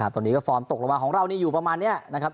ตอนนี้ก็ฟอร์มตกลงมาของเรานี่อยู่ประมาณนี้นะครับ